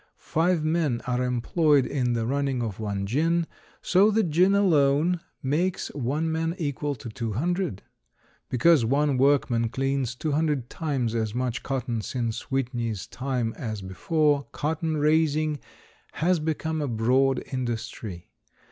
Five men are employed in the running of one gin, so the gin alone makes one man equal to two hundred. Because one workman cleans two hundred times as much cotton since Whitney's time as before, cotton raising has become a broad industry.